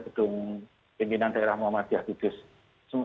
gedung pimpinan daerah muhammadiyah di gugus